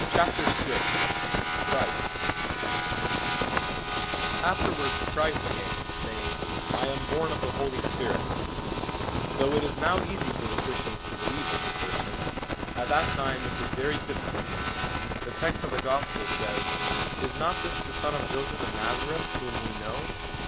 VI CHRIST AFTERWARDS Christ came saying, 'I am born of the Holy Spirit/ Though it is now easy for the Christians to believe this assertion, at that time it was very difficult. The text of the Gospel says, 'Is not this the son of Joseph of Nazareth whom we know